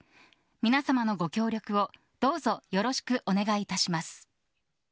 皆様のご協力をどうぞよろしくお願いいたします。